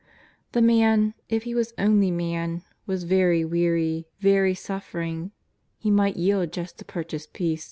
The man, if he was only man, was very weary, very suffer ing, he might yield just to purchase peace.